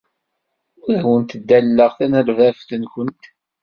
Ur awent-ddaleɣ tanerdabt-nwent.